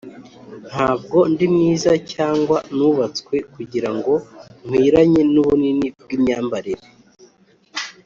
ntabwo ndi mwiza cyangwa nubatswe kugirango nkwiranye nubunini bwimyambarire